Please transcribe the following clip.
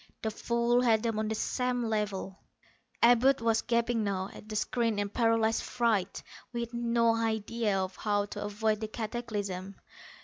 The fool had them on the same level. Abud was gaping now at the screen in paralyzed fright, with no idea of how to avoid the cataclysm.